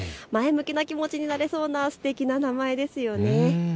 前向きな気持ちになれそうなすてきな名前ですよね。